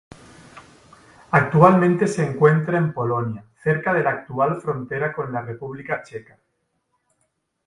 Actualmente se encuentra en Polonia, cerca de la actual frontera con la República Checa.